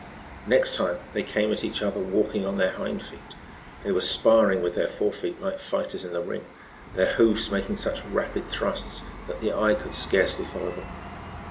Next time they came at each other walking on their hind feet. They were sparring with their fore feet like fighters in the ring, their hoofs making such rapid thrusts that the eye could scarcely follow them.